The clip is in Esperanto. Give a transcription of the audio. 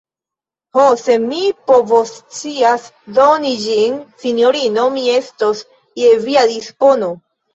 Ho, se mi povoscias doni ĝin, sinjorino, mi estos je via dispono.